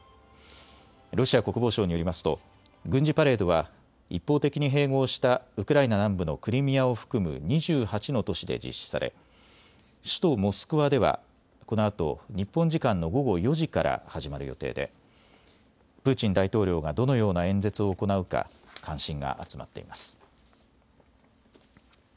ロシア国防省によりますと軍事パレードは一方的に併合したウクライナ南部のクリミアを含む２８の都市で実施され首都モスクワではこのあと日本時間の午後４時から始まる予定でプーチン大統領がどのような演説を行うか関心が集まっています。